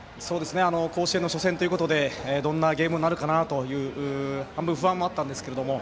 甲子園の初戦ということでどんなゲームになるかなという半分、不安もあったんですけども。